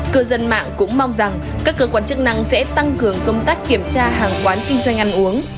cư dân mạng cũng mong rằng các cơ quan chức năng sẽ tăng cường công tác kiểm tra hàng quán kinh doanh ăn uống